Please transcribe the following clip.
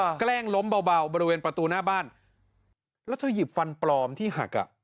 แกล้งล้มเบาเบาบริเวณประตูหน้าบ้านแล้วเธอหยิบฟันปลอมที่หักอ่ะ